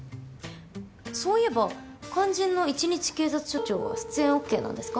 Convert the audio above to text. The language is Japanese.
そういえば肝心の１日警察署長は出演ＯＫなんですか？